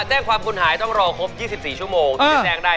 แจ้งความคุณหายต้องรอครบ๒๔ชั่วโมงถึงแจ้งได้